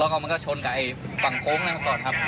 แล้วก็มันก็ชนกับฝั่งโค้งนั่นก่อนครับ